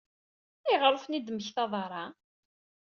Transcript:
Ayɣer ur ten-id-temmektaḍ ara?